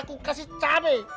aku kasih cabai